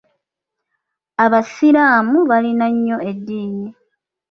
Abasiraamu balina nnyo eddiini